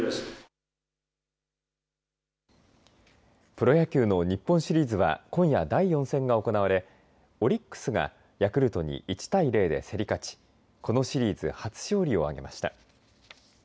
プロ野球の日本シリーズは今夜第４戦が行われオリックスがヤクルトに１対０で競り勝ちこのシリーズ初勝利を挙げました。